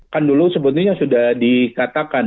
kan dulu sebetulnya sudah dikatakan